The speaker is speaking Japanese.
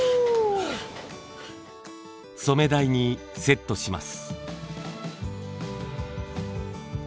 染め台にセットします。